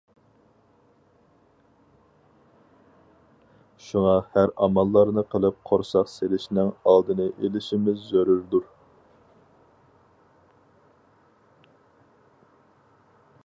شۇڭا ھەر ئاماللارنى قىلىپ قورساق سېلىشنىڭ ئالدىنى ئېلىشىمىز زۆرۈردۇر.